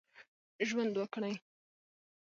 ژوند وکړي.